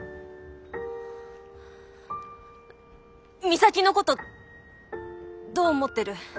美咲のことどう思ってる？